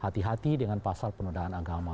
hati hati dengan pasal penodaan agama